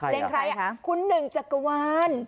เล็งใครอ่ะคุณหนึ่งจักรวาล